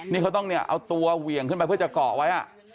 นี่เขาต้องเนี่ยเอาตัวเหวี่ยงขึ้นไปเพื่อจะเกาะไว้